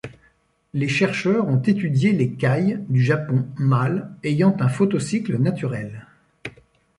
Les chercheurs ont étudié les cailles du Japon mâles ayant un photocycle naturel.